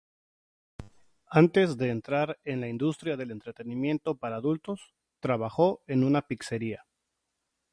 Antes de entrar en la industria del entretenimiento para adultos, trabajó en una pizzería.